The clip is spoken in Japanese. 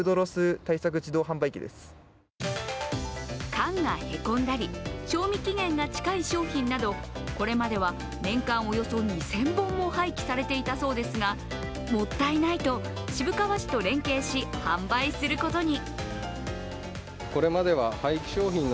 缶がへこんだり賞味期限が近い商品などこれまでは年間およそ２０００本も廃棄されていたそうですがもったいないと渋川市と連携し販売することに。